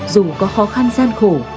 dù có khó khăn gian khổ